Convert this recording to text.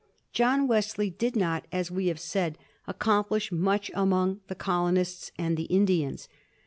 John Wesley did not^ as we have said, accomplish much among the col onists and the Indians.